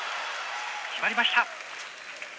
決まりました。